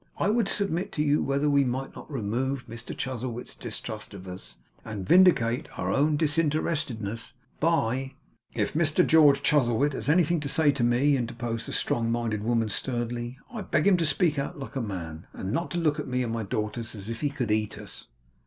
I would submit to you, whether we might not remove Mr Chuzzlewit's distrust of us, and vindicate our own disinterestedness by ' 'If Mr George Chuzzlewit has anything to say to ME,' interposed the strong minded woman, sternly, 'I beg him to speak out like a man; and not to look at me and my daughters as if he could eat us.